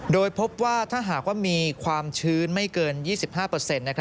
โดยพบว่าถ้าหากว่ามีความชื้นไม่เกิน๒๕